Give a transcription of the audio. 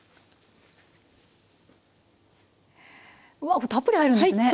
わあたっぷり入るんですね！